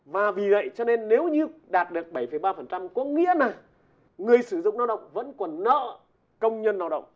và vì vậy cho nên nếu như đạt được bảy ba có nghĩa là người sử dụng lao động vẫn còn nợ công nhân lao động